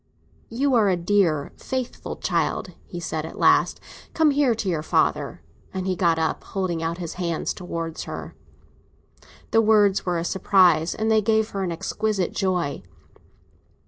"You are a dear, faithful child," he said at last. "Come here to your father." And he got up, holding out his hands toward her. The words were a surprise, and they gave her an exquisite joy.